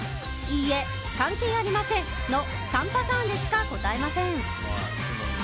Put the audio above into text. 「いいえ」「関係ありません」の３パターンでしか答えません。